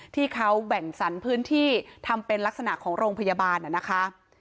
ที่เขาแบ่งสรรพื้นที่ทำเป็นลักษณะของโรงพยาบาลนะคะ